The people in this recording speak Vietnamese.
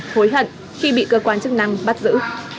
hối hận khi bị cơ quan chức năng bắt giữ